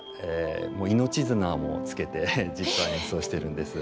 命綱もつけて実際にそうしてるんです。